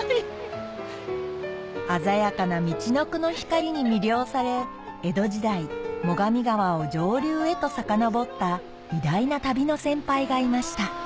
鮮やかなみちのくの光に魅了され江戸時代最上川を上流へとさかのぼった偉大な旅の先輩がいました